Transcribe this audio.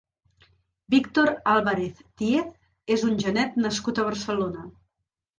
Víctor Álvarez Díez és un genet nascut a Barcelona.